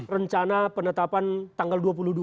rencana penetapan tanggal dua puluh dua